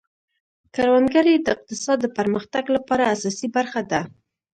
کروندګري د اقتصاد د پرمختګ لپاره اساسي برخه ده.